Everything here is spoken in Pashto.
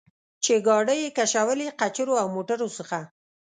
چې ګاډۍ یې کشولې، قچرو او موټرو څخه.